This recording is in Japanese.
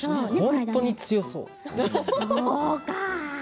本当に強そう。